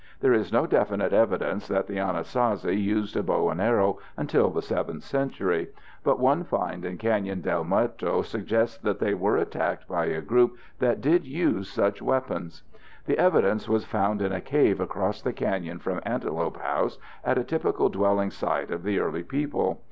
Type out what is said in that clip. There is no definite evidence that the Anasazi used a bow and arrow until the 7th century, but one find in Canyon del Muerto suggests that they were attacked by a group that did use such weapons. The evidence was found in a cave across the canyon from Antelope House at a typical dwelling site of the early people.